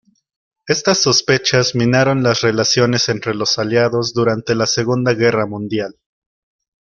Estas sospechas minaron las relaciones entre los aliados durante la Segunda Guerra Mundial.